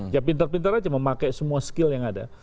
ya pintar pintar aja memakai semua skill yang ada